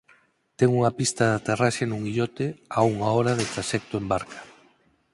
Ten unha pista de aterraxe nun illote a unha hora de traxecto en barca.